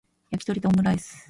やきとりとオムライス